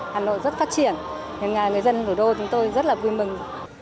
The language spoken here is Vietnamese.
hà nội rất phát triển nên người dân thủ đô chúng tôi rất là vui mừng